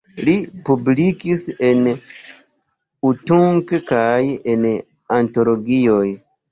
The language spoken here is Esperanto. Li publikis en Utunk kaj en antologioj.